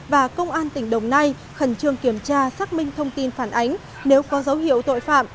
và công an tỉnh đồng nai khẩn trương kiểm tra xác minh thông tin phản ánh nếu có dấu hiệu tội phạm